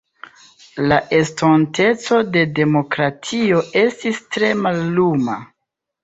La estonteco de demokratio estis tre malluma.